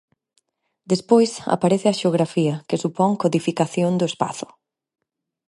Despois aparece a xeografía, que supón codificación do espazo.